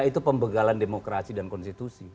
itu pembegalan demokrasi dan konstitusi